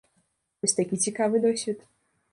Вось такі цікавы досвед.